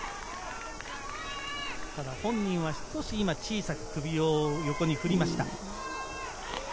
本人は少し今、小さく首を横に振りました。